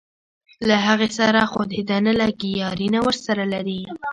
له هغې سره خو دده نه لګي یاري نه ورسره لري.